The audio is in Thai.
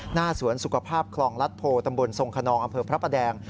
หน้าสวนสุขภาพคลองลัดโพตำบลทรงขนองอำเภอพระประแดง